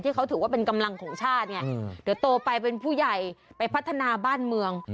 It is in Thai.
เขาถือว่าเป็นกำลังของชาติเนี่ยเดี๋ยวโตไปเป็นผู้ใหญ่ไปพัฒนาบ้านเมือง